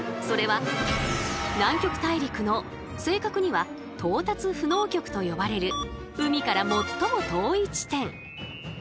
それは南極大陸の正確には「到達不能極」と呼ばれる海から最も遠い地点。